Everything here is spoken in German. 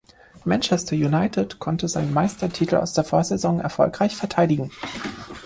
Manchester United konnte seinen Meistertitel aus der Vorsaison erfolgreich verteidigen.